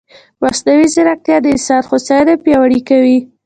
مصنوعي ځیرکتیا د انسان هوساینه پیاوړې کوي.